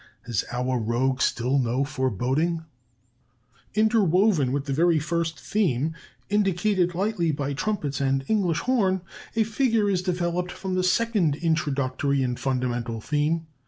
Has our rogue still no foreboding? "Interwoven with the very first theme, indicated lightly by trumpets and English horn, a figure is developed from the second introductory and fundamental theme.